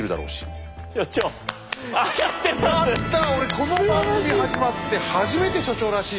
この番組始まって初めて所長らしい！